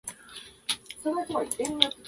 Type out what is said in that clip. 宮城県大和町